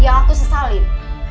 yang aku sesalin